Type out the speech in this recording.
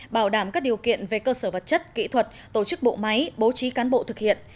bảo đảm các điều kiện về cơ sở vật chất kỹ thuật tổ chức bộ máy bố trí cán bộ thực hiện